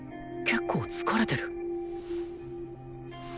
結構疲れてる？